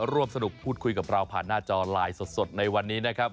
ร่วมสนุกพูดคุยกับเราผ่านหน้าจอไลน์สดในวันนี้นะครับ